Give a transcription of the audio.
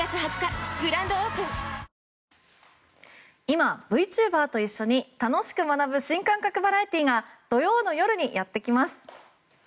今、Ｖチューバーと一緒に楽しく学ぶ新感覚バラエティーが土曜の夜にやってきます。